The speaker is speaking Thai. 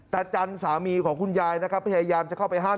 จันสามีของคุณยายนะครับพยายามจะเข้าไปห้าม